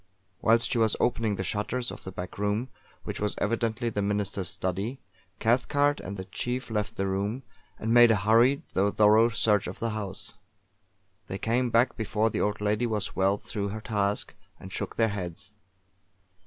Whilst she was opening the shutters of the back room, which was evidently the Minister's study, Cathcart and the chief left the room, and made a hurried, though thorough, search of the house. They came back before the old lady was well through her task, and shook their heads.